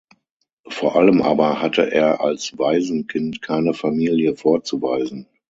Vor allem aber hatte er als Waisenkind keine Familie vorzuweisen.